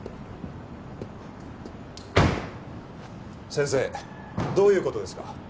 先生どういう事ですか？